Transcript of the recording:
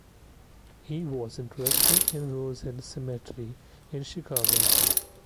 He was interred in Rosehill Cemetery in Chicago.